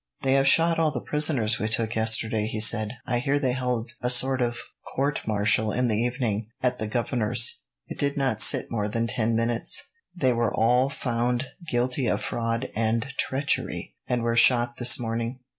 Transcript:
"They have shot all the prisoners we took yesterday," he said. "I hear they held a sort of court martial in the evening, at the governor's. It did not sit more than ten minutes. They were all found guilty of fraud and treachery, and were shot this morning."